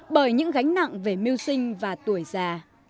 bởi những gánh nặng về mưu sinh và tuổi già